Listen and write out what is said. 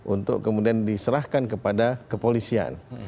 untuk kemudian diserahkan kepada kepolisian